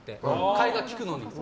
替えが利くのに。